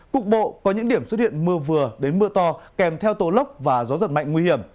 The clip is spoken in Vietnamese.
cục bộ có những điểm xuất hiện mưa vừa đến mưa to kèm theo tố lốc và gió giật mạnh nguy hiểm